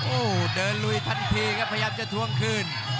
โอ้เดินลุยทันทีครับให้ยังจะทวงคืน